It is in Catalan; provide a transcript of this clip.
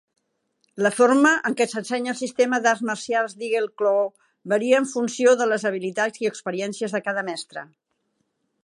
La forma en què s'ensenya el sistema d'arts marcials Eagle Claw varia en funció de les habilitats i experiències de cada mestre.